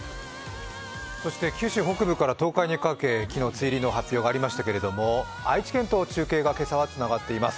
そして九州北部から東海にかけ昨日、梅雨入りの発表がありましたけれども、愛知県と中継が今朝はつながっています。